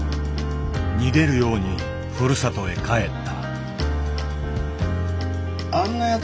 逃げるようにふるさとへ帰った。